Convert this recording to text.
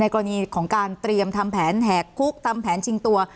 กรณีของการเตรียมทำแผนแหกคุกทำแผนชิงตัว